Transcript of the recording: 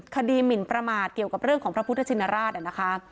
หมินประมาทเกี่ยวกับเรื่องของพระพุทธชินราชนะคะ